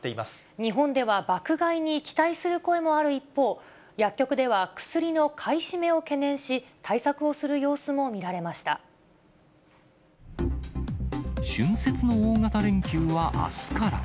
日本では爆買いに期待する声もある一方、薬局では薬の買い占めを懸念し、春節の大型連休はあすから。